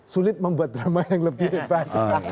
sulit membuat drama yang lebih hebat